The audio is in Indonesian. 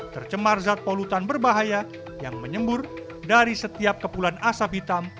tercemar zat polutan berbahaya yang menyembur dari setiap kepulan asap hitam